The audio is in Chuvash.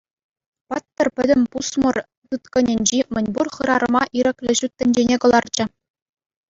Паттӑр пӗтӗм пусмӑр тыткӑнӗнчи мӗн пур хӗрарӑма ирӗклӗ ҫут тӗнчене кӑларчӗ.